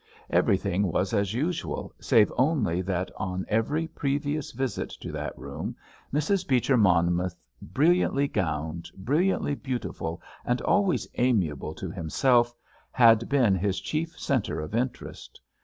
Everything was as usual, save only that on every previous visit to that room Mrs. Beecher Monmouth, brilliantly gowned, brilliantly beautiful, and always amiable to himself, had been his chief centre of interest.